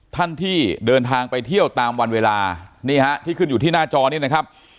ท่านที่เดินทางไปเที่ยวตามวันเวลานี่ฮะที่ขึ้นอยู่ที่หน้าจอนี้นะครับ